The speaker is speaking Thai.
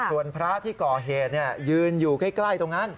ส่วนพระที่ก่อเหตุยืนอยู่ใกล้ตรงนั้น